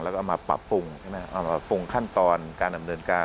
แล้วก็มาปรับปรุงขั้นตอนการอำนวนการ